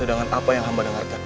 dengan apa yang hamba dengarkan